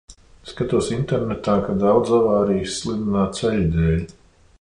Skatos internetā, ka daudz avārijas slidenā ceļa dēļ.